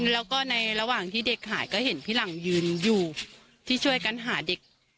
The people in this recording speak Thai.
แล้วก็ในระหว่างที่เด็กหายก็เห็นพี่หลังยืนอยู่ที่ช่วยกันหาเด็ก